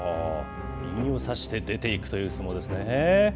右を差して出ていくという相撲ですね。